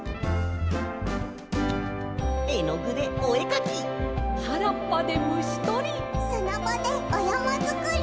「絵の具でお絵描き」「原っぱで虫とり」「すなばでおやまづくり」